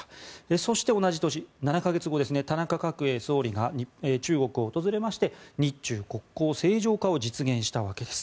そして同じ年、７か月後田中角栄総理が中国を訪れまして日中国交正常化を実現したわけです。